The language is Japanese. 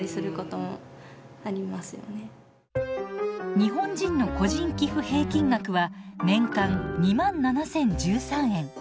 日本人の個人寄付平均額は年間２７，０１３円。